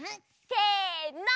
せの！